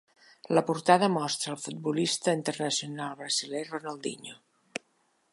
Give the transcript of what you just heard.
La portada mostra el futbolista internacional brasiler Ronaldinho.